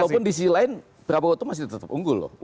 walaupun di sisi lain prabowo itu masih tetap unggul loh